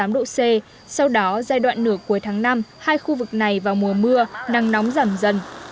ba mươi năm ba mươi tám độ c sau đó giai đoạn nửa cuối tháng năm hai khu vực này vào mùa mưa nắng nóng giảm dần